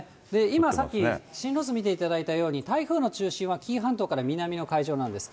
今、さっき進路図見ていただいたように、台風の中心は紀伊半島から南の海上なんです。